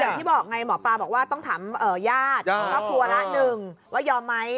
อย่างที่บอกไงหมอปลาบอกว่าต้องถามญาติครอบครัวละหนึ่งว่ายอมไหม